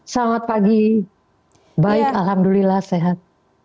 selamat pagi baik alhamdulillah sehat